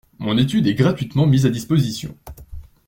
Mon étude est gratuitement mise à disposition.